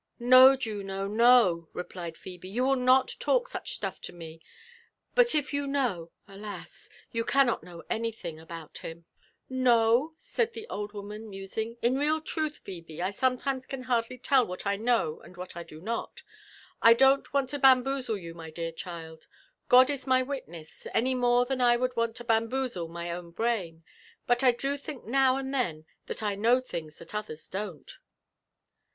"No, Juno, no," replied Phebe, "you will not talk such sUiff to roe: but if you know— alas! you cannot know anything about him." "Know?" said the old woman, musing: '' in real truth, Phebe, I sometimes can hardly tell what I know and what I do not. I don't want to bamboozle you, my dear child, God is my witness, any moro than I would want to bamboozle my own brain ; but I do think now and then that I know things (hat others don't."